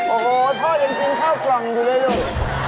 โอ้โหพ่อยังกินข้าวกล่องอยู่เลยลูก